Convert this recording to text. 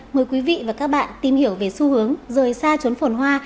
mời quý vị và các bạn tìm hiểu về xu hướng rời xa trốn phổn hoa